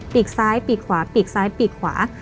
ปีกซ้ายปีกขวาปีกซ้ายปีกขวา